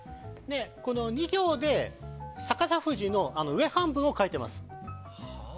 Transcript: ２行で逆さ富士の上半分を書いてます。